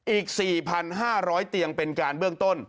อีก๔๕๐๐เตียงเป็นการเบื้องต้น